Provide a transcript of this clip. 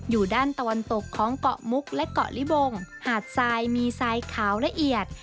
อยู่ด้านตะวันตกของเกาะมุกและเกาะลิบงหาดทรายมีทรายขาวละเอียด